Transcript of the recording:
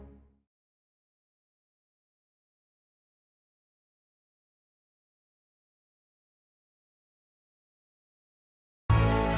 aku perlu menyelesaikan pertanyaan bapak